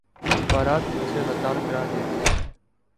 اخبارات نے اسے غدارقرار دے دیاہے